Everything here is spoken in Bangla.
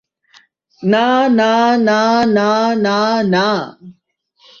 না, না, না, না, না, না!